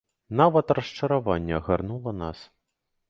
Нават расчараванне агарнула нас.